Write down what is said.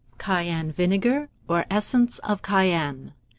CAYENNE VINEGAR, or ESSENCE OF CAYENNE.